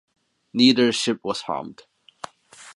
Neither ship was harmed.